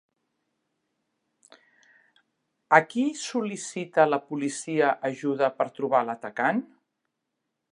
A qui sol·licita la policia ajuda per trobar l'atacant?